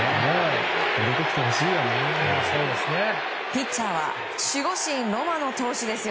ピッチャーは守護神ノマド選手。